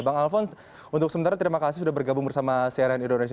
bang alphonse untuk sementara terima kasih sudah bergabung bersama cnn indonesia